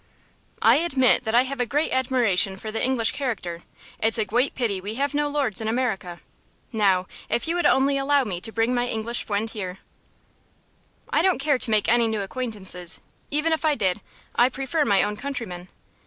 "I admit that I have a great admiration for the English character. It's a gweat pity we have no lords in America. Now, if you would only allow me to bring my English fwiend here "I don't care to make any new acquaintances. Even if I did, I prefer my own countrymen.